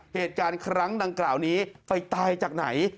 เหตุการณ์ครั้งดังกล่าวนี้ไปตายจากไหน